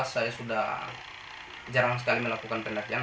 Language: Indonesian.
saya sudah jarang sekali melakukan penerjaan